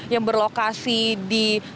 yang berlokasi di kabupaten bekasi